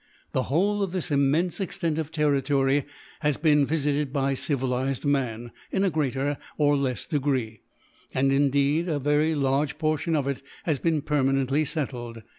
The whole of this immense extent of territory has been visited by civilized man, in a greater or less degree; and indeed a very large portion of it has been permanently settled.